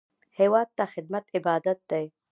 هېواد ته خدمت عبادت دی